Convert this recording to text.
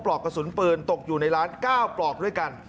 อกกระสุนปืนตกอยู่ในร้าน๙ปลอกด้วยกัน